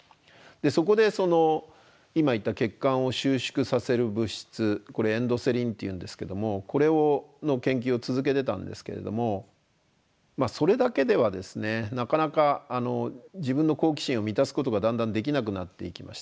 そこでその今言った血管を収縮させる物質これエンドセリンっていうんですけどもこれの研究を続けてたんですけれどもまあそれだけではですねなかなか自分の好奇心を満たすことがだんだんできなくなっていきました。